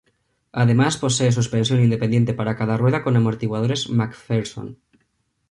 Además posee suspensión independiente para cada rueda con amortiguadores McPherson.